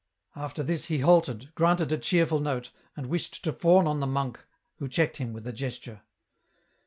After this he halted, grunted a cheerful note, and wished to fawn on the monk, who checked him with a gesture.